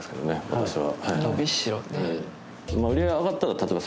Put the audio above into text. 私は。